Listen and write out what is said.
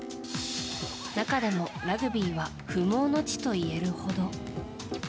中でも、ラグビーは不毛の地といえるほど。